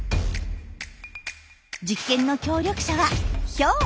実験の協力者はヒョウ。